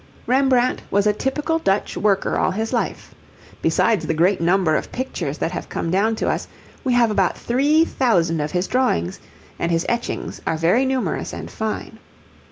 Rembrandt was a typical Dutch worker all his life. Besides the great number of pictures that have come down to us, we have about three thousand of his drawings, and his etchings are very numerous and fine.